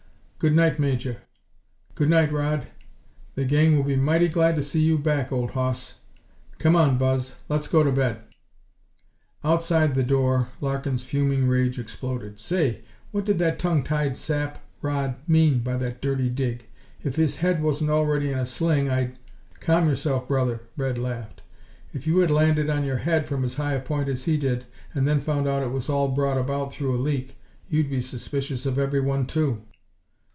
Good night, Major. Good night, Rodd. The gang will be mighty glad to see you back, old hoss! Come on, Buzz, let's go to bed." Outside the door Larkin's fuming rage exploded. "Say, what did that tongue tied sap Rodd mean by that dirty dig? If his head wasn't already in a sling, I'd " "Calm yourself, brother!" Red laughed. "If you had landed on your head from as high a point as he did, and then found out it was all brought about through a leak, you'd be suspicious of everyone too."